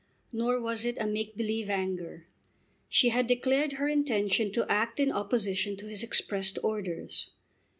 Nor was it a make believe anger. She had declared her intention to act in opposition to his expressed orders.